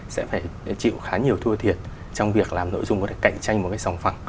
sẽ phải chịu khá nhiều thua thiệt trong việc làm nội dung có thể cạnh tranh một cái sòng phẳng